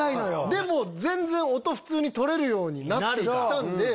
でも全然音普通に取れるようになったんで。